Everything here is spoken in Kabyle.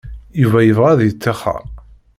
Yuba yebɣa ad yettixer.